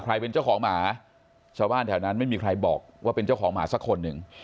เป็นเจ้าของหมาชาวบ้านแถวนั้นไม่มีใครบอกว่าเป็นเจ้าของหมาสักคนหนึ่ง